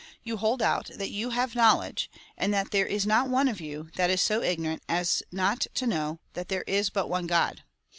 You hold out that you have know ledge, and that there is not one of you that is so ignorant as not to know that there is hut one God.